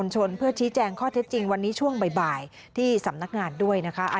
เพื่อชี้แจงข้อเท็จจริงวันนี้ช่วงบ่ายที่สำนักงานด้วยนะคะ